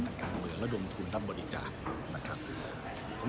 สันการเงินและดวงทุนรับบริจาคนะครับ